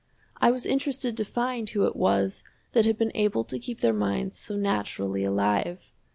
I was interested to find who it was that had been able to keep their minds so naturally alive.